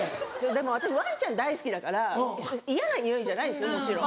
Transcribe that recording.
でも私ワンちゃん大好きだから嫌なにおいじゃないんですよもちろん。